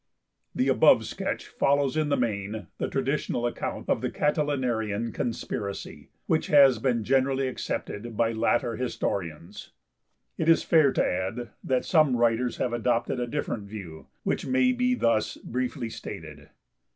The above sketch follows in the main the traditional account of the Catilinarian conspiracy, which has been generally accepted by later historians. It is fair to add that some writers have adopted a different view, which may be thus briefly stated.